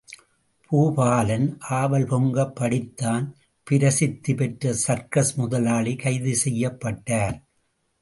பூபாலன் ஆவல் பொங்கப் படித்தான் பிரசித்தி பெற்ற சர்க்கஸ் முதலாளி கைது செய்யப்பட்டார்.